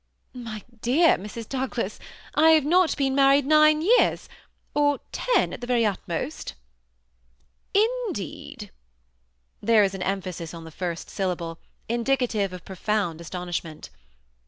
My dear Mrs. Douglas, I have not been married nine years — or ten at the very utmost." "i» deed!" There was an emphasis on the first syllable, indicative of profound astonishment.